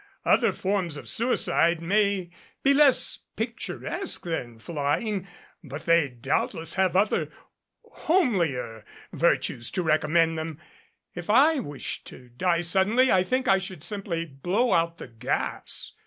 Other forms of suicide may be less picturesque than flying, but they doubtless have other homelier virtues to recommend them. If I wished to die suddenly I think I should simply blow out the gas.